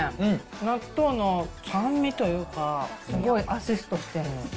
納豆の酸味というか、すごいアシストしてんの。